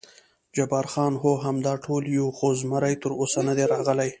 جبار خان: هو، همدا ټول یو، خو زمري تراوسه نه دی راغلی.